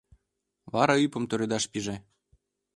Вара ӱпым тӱредаш пиже.